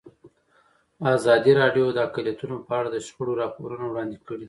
ازادي راډیو د اقلیتونه په اړه د شخړو راپورونه وړاندې کړي.